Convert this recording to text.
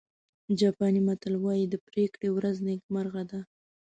جاپاني متل وایي د پرېکړې ورځ نیکمرغه ده.